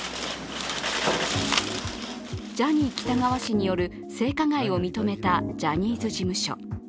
ジャニー喜多川氏による性加害を認めたジャニーズ事務所。